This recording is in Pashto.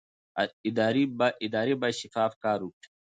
ادارې باید شفاف کار وکړي